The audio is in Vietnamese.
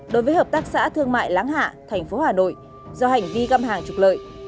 đối với hợp tác xã thương mại láng hạ thành phố hà nội do hành vi găm hàng trục lợi